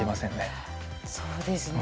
ああそうですね。